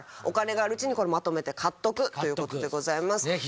お金があるうちにこれまとめて買っておくという事でございます。